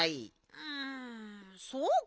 うんそうかなあ。